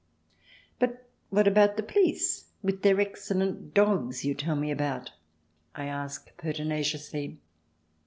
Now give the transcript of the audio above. " But what about the poHce, with their excellent dogs you tell me about ?" I asked, pertinaciously.